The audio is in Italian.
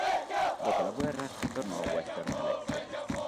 Dopo la guerra tornò a Western Electric.